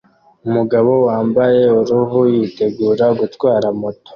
Umugabo wambaye uruhu yitegura gutwara moto